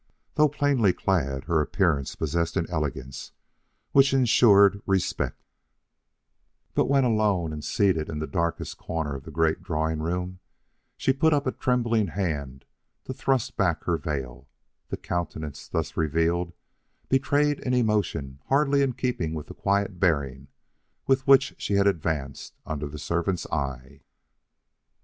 Though plainly clad, her appearance possessed an elegance which insured respect; but when alone and seated in the darkest corner of the great drawing room she put up a trembling hand to thrust back her veil, the countenance thus revealed betrayed an emotion hardly in keeping with the quiet bearing with which she had advanced under the servant's eye.